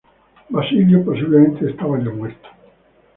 Basilio posiblemente estaba ya muerto.